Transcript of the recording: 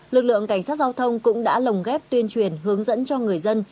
lực lượng cảnh sát giao thông cũng đã lồng ghép tuyên truyền hướng dẫn cho người dân